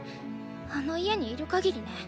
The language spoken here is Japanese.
あの家にいる限りね。